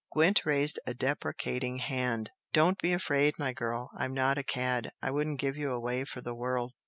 Gwent raised a deprecating hand. "Don't be afraid, my girl! I'm not a cad. I wouldn't give you away for the world!